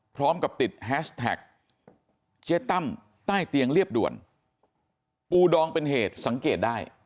พร้อมกับติดแฮชแท็กเจ๊ตั้มใต้เตียงเรียบด่วนปูดองเป็นเหตุสังเกตได้